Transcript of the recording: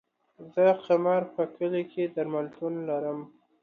زه قمر په کلي کی درملتون لرم